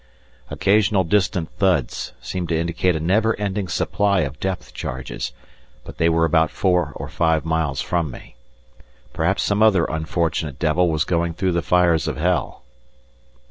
Occasional distant thuds seemed to indicate a never ending supply of depth charges, but they were about four or five miles from me. Perhaps some other unfortunate devil was going through the fires of hell.